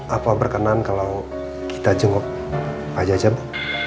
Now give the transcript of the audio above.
apa berkenan kalau kita jenguk pak jajah bu